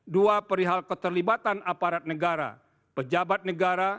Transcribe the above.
dua perihal keterlibatan aparat negara pejabat negara